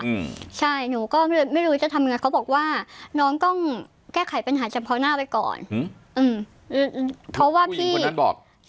อืมใช่หนูก็ไม่รู้จะทำยังไงเขาบอกว่าน้องต้องแก้ไขปัญหาเฉพาะหน้าไปก่อนอืมอืมเพราะว่าพี่คนนี้บอก